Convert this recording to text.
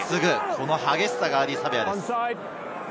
この激しさがアーディー・サヴェアです。